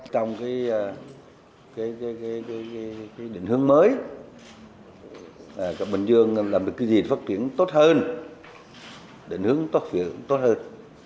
trong cái định hướng mới bình dương làm được cái gì phát triển tốt hơn định hướng phát triển tốt hơn